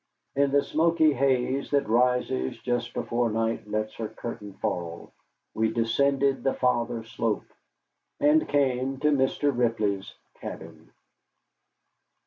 In the smoky haze that rises just before night lets her curtain fall, we descended the farther slope, and came to Mr. Ripley's cabin.